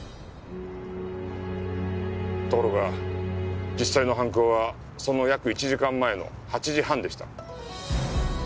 ところが実際の犯行はその約１時間前の８時半でした。